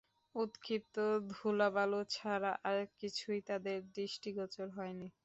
উৎক্ষিপ্ত ধুলা-বালু ছাড়া আর কিছুই তাদের দৃষ্টিগোচর হয়নি।